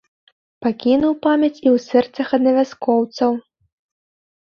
Пакінуў памяць і ў сэрцах аднавяскоўцаў.